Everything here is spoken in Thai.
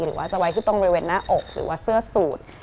หรือว่าจะไว้ขึ้นตรงบริเวณหน้าอกหรือว่าเสื้อสูตร